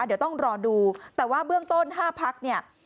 เดี๋ยวต้องรอดูแต่ว่าเบื้องต้น๕พักเนี่ย